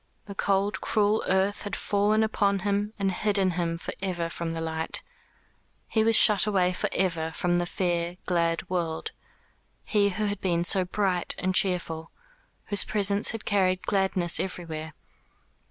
The cold cruel earth had fallen upon him and hidden him for ever from the light; he was shut away for ever from the fair glad world; he who had been so bright and cheerful, whose presence had carried gladness everywhere.